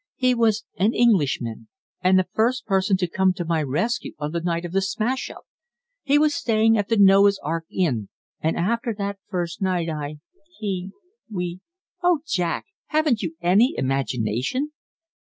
"He was an Englishman and the first person to come to my rescue on the night of the smash up. He was staying at the Noah's Ark inn; and after that first night I he we Oh, Jack, haven't you any imagination?"